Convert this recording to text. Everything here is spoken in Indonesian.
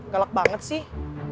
gak lak banget sih